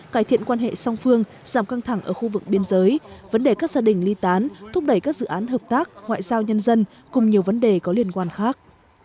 cải thiện quan hệ song phương giảm căng thẳng ở khu vực biên giới vấn đề các gia đình ly tán thúc đẩy các dự án hợp tác ngoại giao nhân dân cùng nhiều vấn đề có liên quan khác